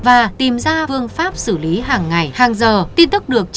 và tìm ra phương pháp xử lý hàng ngày hàng giờ